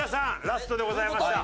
ラストでございました。